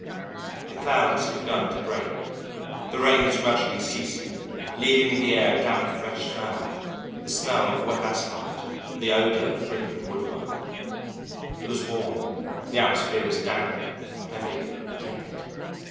The clouds had begun to break, the rain was gradually ceasing, leaving in the air a damp, fresh smell, the smell of wet asphalt and the odour of dripping woodwork. It was warm; the atmosphere was dank, heavy, tepid.